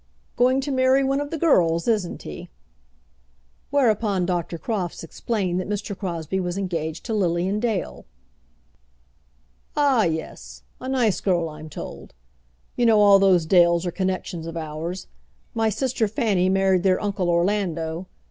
"Going to marry one of the girls, isn't he?" Whereupon Dr. Crofts explained that Mr. Crosbie was engaged to Lilian Dale. "Ah, yes; a nice girl, I'm told. You know all those Dales are connections of ours. My sister Fanny married their uncle Orlando.